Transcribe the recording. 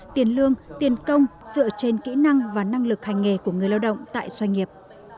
tiền lương tiền công dựa trên kỹ năng và năng lực hành nghề của người lao động tại doanh nghiệp